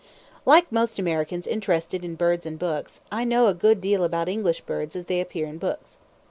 Like most Americans interested in birds and books, I know a good deal about English birds as they appear in books.